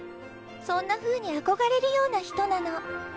そんなふうに憧れるような人なの。